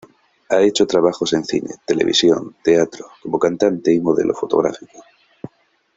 Ha hecho trabajos en cine, televisión, teatro, como cantante y modelo fotográfico.